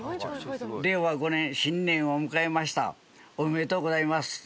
「令和五年新年を迎えましたおめでとうございます」。